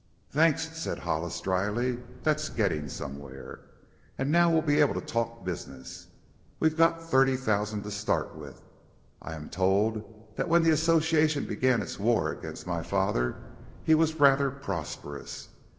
"Thanks," said Hollis dryly; "that's getting somewhere. And now we'll be able to talk business. We've got thirty thousand to start with. I am told that when the Association began its war against my father he was rather prosperous.